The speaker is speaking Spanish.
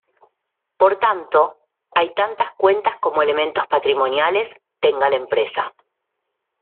Por tanto, hay tantas cuentas como elementos patrimoniales tenga la empresa.